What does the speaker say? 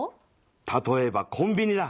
例えばコンビニだ。